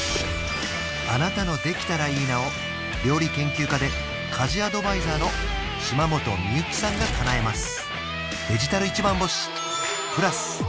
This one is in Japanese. あなたの「できたらいいな」を料理研究家で家事アドバイザーの島本美由紀さんがかなえます